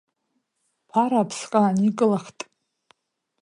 Ԥара аԥсҟы ааникылахт.